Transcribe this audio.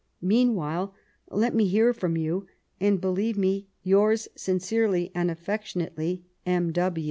Meantime, let me hear from you, and believe me yours sincerely 'and affectionately, M.